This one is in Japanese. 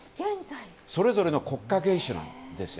それぞれの国家元首なんですよ。